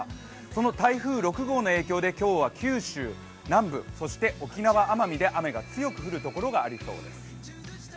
その台風６号の影響で今日は九州南部そして沖縄、奄美で雨が強く降るところがありそうです。